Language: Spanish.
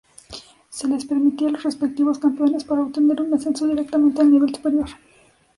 Se les permitía Los respectivos campeones para obtener un ascenso directamente al nivel superior.